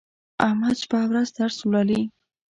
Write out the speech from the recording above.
احمد شپه او ورځ درس لولي.